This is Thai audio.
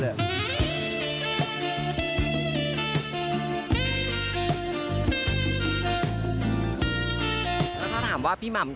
แล้วถ้าถามว่าพี่หม่ำ